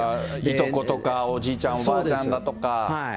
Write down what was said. いとことか、おじいちゃん、おばあちゃんだとか。